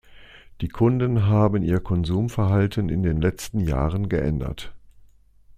Die Kunden haben ihr Konsumverhalten in den letzten Jahren geändert.